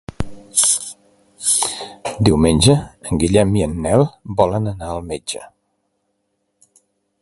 Diumenge en Guillem i en Nel volen anar al metge.